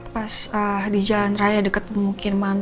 pas di jalan raya deket